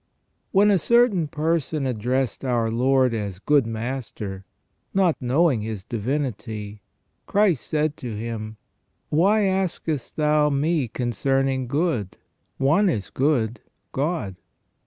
When a certain person addressed our Lord as " good master," not knowing His Divinity, Christ said to him :" Why askest thou me concerning good? one is good, God